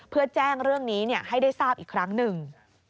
เพื่อแจ้งเรื่องนี้ให้ได้ทราบอีกครั้งหนึ่ง